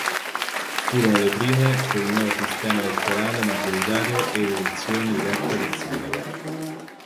Furono le prime col nuovo sistema elettorale maggioritario e l’elezione diretta del sindaco.